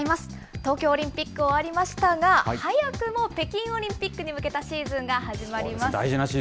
東京オリンピック終わりましたが、早くも北京オリンピックに向けたシーズンが始まります。